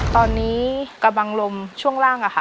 ตอนนี้กำลังลมช่วงร่าง